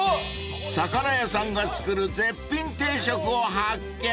［魚屋さんが作る絶品定食を発見］